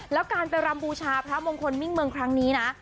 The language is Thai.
แล้วการไปรำบูชาพระมงคลมิ่งเมืองครั้งนี้นะ